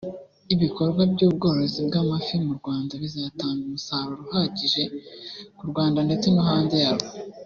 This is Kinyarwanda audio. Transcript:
Ibikorwa by’ubworozi bw’amafi mu Rwanda bizatanga umusaruro uhagije ku Rwanda ndetse no hanze yarwo